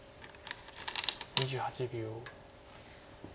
２８秒。